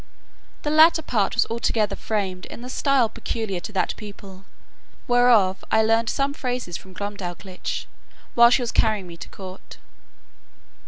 The latter part was altogether framed in the style peculiar to that people, whereof I learned some phrases from Glumdalclitch, while she was carrying me to court.